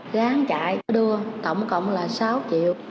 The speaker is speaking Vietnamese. ráng chạy đưa tổng cộng là sáu triệu